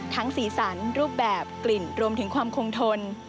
สีสันรูปแบบกลิ่นรวมถึงความคงทน